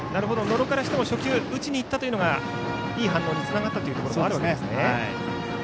野呂からしても初球打ちに行ったのがいい反応につながったということですね。